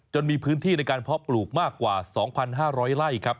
มีพื้นที่ในการเพาะปลูกมากกว่า๒๕๐๐ไร่ครับ